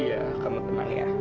iya kamu tenang ya